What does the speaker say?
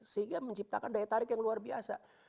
sehingga menciptakan daya tarik yang luar biasa